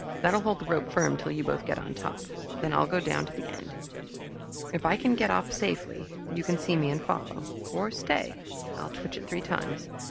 "That'll hold the rope firm till you both get up on top. Then I'll go down to the end. If I can get off safely, you can see me and follow or, say, I'll twitch it three times.